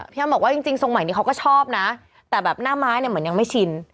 พี่อ้ำบอกว่าจริงทรงใหม่นี้เขาก็ชอบนะแต่แบบหน้าไม้เนี่ยเหมือนยังไม่ชิน